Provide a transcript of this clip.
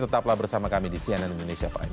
tetaplah bersama kami di cnn indonesia pak aidy